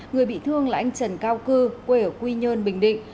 người bị thương là anh trần cao cư quê ở quy nhơn bình định